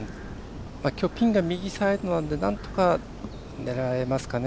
きょうピンが右サイドなのでなんとか狙えますかね。